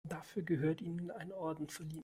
Dafür gehört ihm ein Orden verliehen.